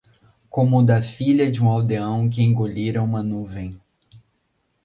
Como o da filha de um aldeão que engolira uma nuvem